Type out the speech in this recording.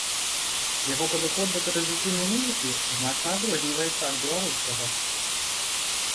Яго падыход да традыцыйнай музыкі значна адрозніваецца ад беларускага.